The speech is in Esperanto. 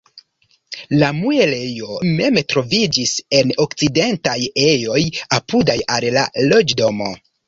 La muelejo mem troviĝis en okcidentaj ejoj apudaj al la loĝdomo.